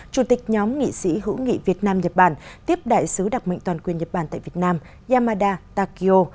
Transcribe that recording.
chủ tịch nhóm nghị sĩ hữu nghị việt nam nhật bản tiếp đại sứ đặc mệnh toàn quyền nhật bản tại việt nam yamada takio